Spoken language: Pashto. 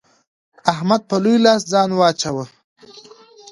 احمد په لوی لاس ځان واچاوو.